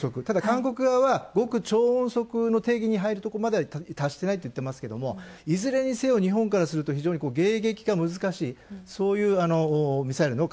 ただ、韓国側は極超音速の定義に入るところまでは達してないと言っていますけどいずれにせよ日本からすると非常に迎撃が難しい。